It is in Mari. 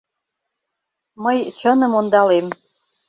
Мый чыным ондалем.